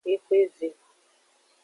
Exweve.